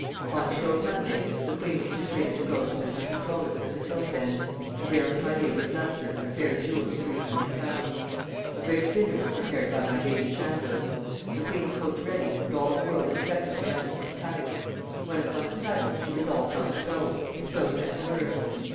Upon Shrove Monday the queen was persuaded to go to Mr. Comptroller's at the tilt end, and there was my lady of Leicester with a fair jewel of three hundred pounds. A great dinner was prepared by my lady Chandos; the queen's coach ready, and all the world expecting her majesty's coming; when, upon a sudden, she resolved not to go, and so sent word.